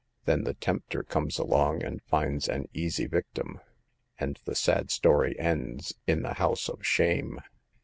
Then the tempter comes along, and finds an easy victim. And the sad story ends in the house of shame.